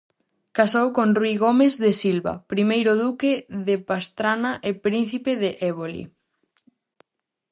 Casou con Rui Gomes de Silva, primeiro duque de Pastrana e príncipe de Éboli.